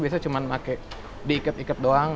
biasanya cuma pakai diikat ikat doang